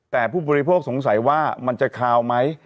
แต่ผู้บริโภคสงสัยว่ามันจะคาวไหม